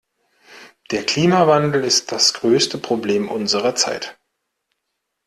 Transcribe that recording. Der Klimawandel ist das größte Problem unserer Zeit.